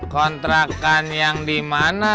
kontrakan yang dimana